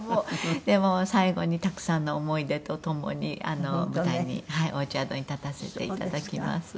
でも最後にたくさんの思い出とともに舞台にオーチャードに立たせていただきます。